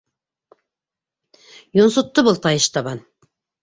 Йонсотто был тайыштабан.